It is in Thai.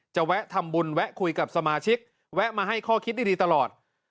แวะทำบุญแวะคุยกับสมาชิกแวะมาให้ข้อคิดดีตลอด